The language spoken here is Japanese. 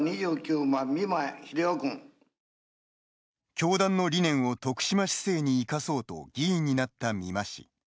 教団の理念を徳島市政に生かそうと議員になった美馬氏。